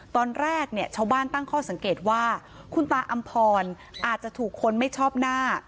ตอนแรกเนี่ยชาวบ้านตั้งข้อสังเกตว่าคุณตาอำพรอาจจะถูกคนไม่ชอบหน้า